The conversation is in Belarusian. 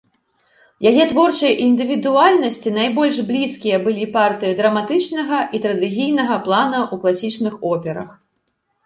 Яе творчай індывідуальнасці найбольш блізкія былі партыі драматычнага і трагедыйнага плана ў класічных операх.